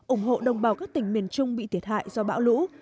ủng hộ đồng bào các tỉnh miền trung bị thiệt hại do bão lũ